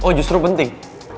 oh justru penting